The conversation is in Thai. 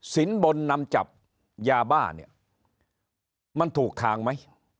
สินบนนำจับยาบ้าเนี่ยมันถูกทางไหม